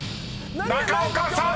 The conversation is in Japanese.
中岡さん］